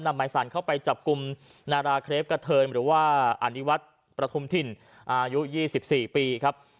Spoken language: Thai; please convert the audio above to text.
หมายสารเข้าไปจับกลุ่มนาราเครปกะเทินหรือว่าอนิวัฒน์ประทุมถิ่นอายุ๒๔ปีครับ